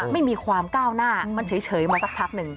ไม่มีความก้าวหน้ามันเฉยมาสักพักหนึ่ง